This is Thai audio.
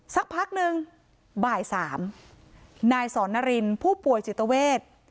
สักพักหนึ่งบ่ายสามนายสอนนารินผู้ป่วยจิตเวท